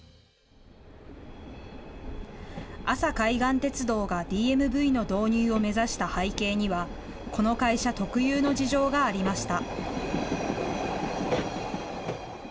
阿佐海岸鉄道がＤＭＶの導入を目指した背景には、この会社特有の事情がありました。